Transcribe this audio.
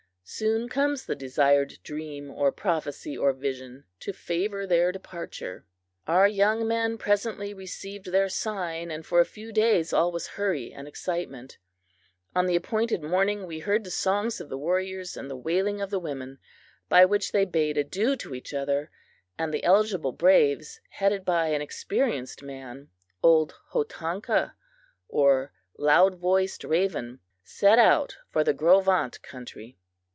Soon comes the desired dream or prophecy or vision to favor their departure. Our young men presently received their sign, and for a few days all was hurry and excitement. On the appointed morning we heard the songs of the warriors and the wailing of the women, by which they bade adieu to each other, and the eligible braves, headed by an experienced man old Hotanka or Loud Voiced Raven set out for the Gros Ventre country.